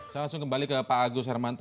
saya langsung kembali ke pak agus hermanto